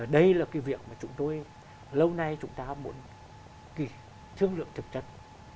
đây là cái việc mà chúng tôi lâu nay chúng ta muốn kỳ thương lượng thực chất